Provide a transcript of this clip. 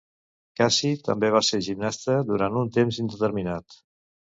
Cassie també va ser gimnasta durant un temps indeterminat.